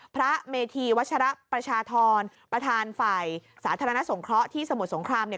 พระเมธีวัชระประชาธรประธานฝ่ายสาธารณสงเคราะห์ที่สมุทรสงครามเนี่ย